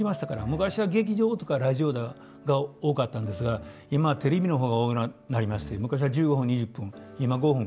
昔は劇場とかラジオが多かったんですが今はテレビの方が多くなりまして昔は１５分２０分今５分。